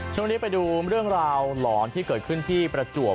ช่วงนี้ไปดูเรื่องราวหลอนที่เกิดขึ้นที่ประจวบ